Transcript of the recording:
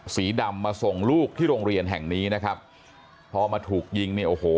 สีดำมาส่งลูกที่โรงเรียนแห่งนี้นะครับพอมาถูกยิงเนี่ยโอ้โห